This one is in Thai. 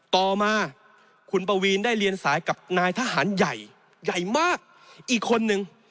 ต่อมาคุณปวีนได้เรียนสายกับนายทหารใหญ่ใหญ่มากอีกคนนึง